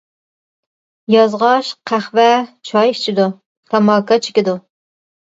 يازغاچ قەھۋە، چاي ئىچىدۇ، تاماكا چېكىدۇ.